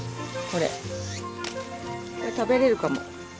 これ食べれるかも。